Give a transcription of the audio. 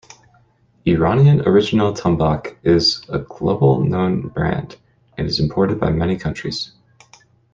Iranian Original Tombac is a global known brand and is imported by many countries.